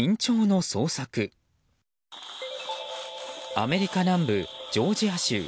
アメリカ南部ジョージア州。